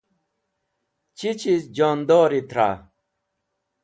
Chi chiz jondori tra?